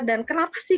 dan kenapa sih